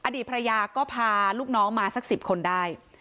อดีตภรรยาก็พาลูกน้องมาสัก๑๐คนได้